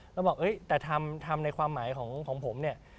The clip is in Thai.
แล้วบอกแต่ทำในความหมายของผมเนี่ย